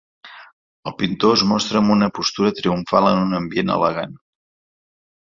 El pintor es mostra amb una postura triomfal en un ambient elegant.